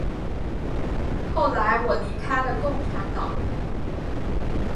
后来我离开了共产党。